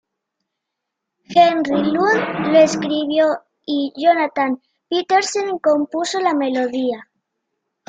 Henrik Lund lo escribió, y Jonathan Petersen compuso la melodía.